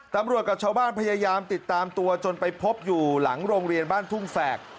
กับชาวบ้านพยายามติดตามตัวจนไปพบอยู่หลังโรงเรียนบ้านทุ่งแฝก